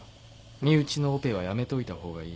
「身内のオペはやめておいたほうがいい。